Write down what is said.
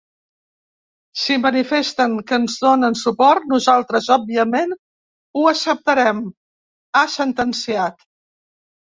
Si manifesten que ens donen suport, nosaltres òbviament ho acceptarem, ha sentenciat.